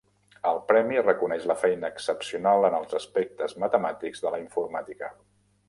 El premi reconeix la feina excepcional en els aspectes matemàtics de la informàtica.